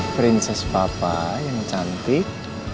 prinses papa yang cantik